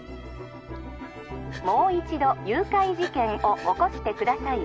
☎もう一度誘拐事件を起こしてください